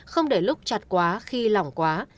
không để lúc chặt quá khi lỏng quá